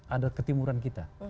ada ketimuran kita